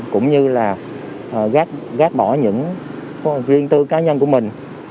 cũng như là gác bỏ những riêng tư cá nhân của mình